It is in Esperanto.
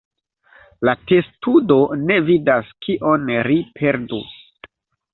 La testudo ne vidas kion ri perdus.